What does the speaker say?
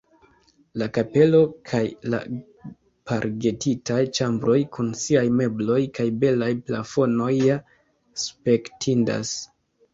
La kapelo kaj la pargetitaj ĉambroj kun siaj mebloj kaj belaj plafonoj ja spektindas.